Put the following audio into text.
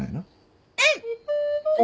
うん！